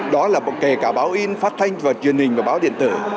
đó là kể cả báo in phát thanh và truyền hình và báo điện tử